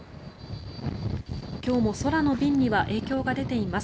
今日も空の便には影響が出ています。